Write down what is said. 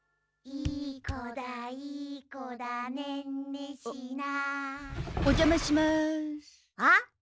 「いい子だいい子だねんねしな」